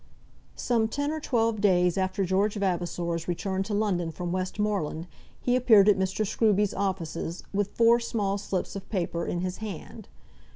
Some ten or twelve days after George Vavasor's return to London from Westmoreland he appeared at Mr. Scruby's offices with four small slips of paper in his hand.